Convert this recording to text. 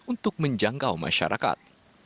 untuk menjangkau masyarakat